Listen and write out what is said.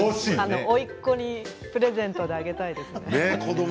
おいっ子にプレゼントであげたいです。